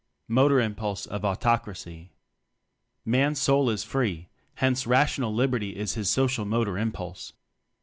Motor Impulse of Autocracy. Man's soul is free, hence Rational Liberty is his social motor impulse.